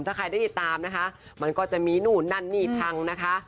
ถ้าใครได้ติดตามนะคะมันก็จะมีนู่นนั่นนี่พังนะคะ